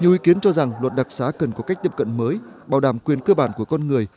chủ tịch nước cho rằng luật đặc xá cần có cách tiếp cận mới bảo đảm quyền cơ bản của con người